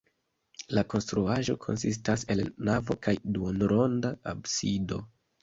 La konstruaĵo konsistas el navo kaj duonronda absido.